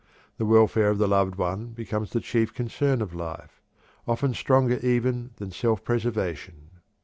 The welfare of the loved one becomes the chief concern of life, often stronger even than self preservation.